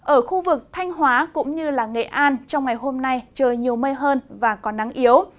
ở khu vực thanh hóa cũng như nghệ an trong ngày hôm nay trời nhiều mây hơn và có nắng yếu